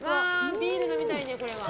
ビール飲みたいね、これは。